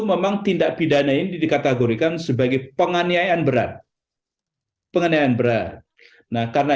memang tindak pidana ini dikategorikan sebagai penganiayaan berat penganiayaan berat nah karena